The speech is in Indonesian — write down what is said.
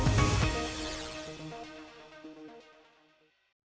bodoh di rumah tangga menunggu penghujung bulan depan